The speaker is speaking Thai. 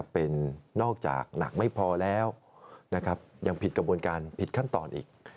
เป็นนอกจากหนักไม่พอแล้วยังผิดกระบวนการผิดขั้นตอนอีก